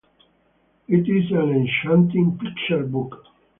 It is an enchanting picture book.